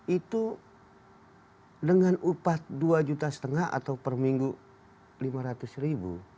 itu dengan upah dua juta setengah atau per minggu lima ratus ribu